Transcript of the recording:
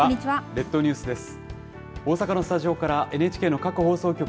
列島ニュースです。